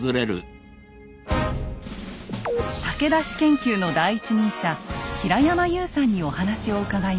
武田氏研究の第一人者平山優さんにお話を伺いました。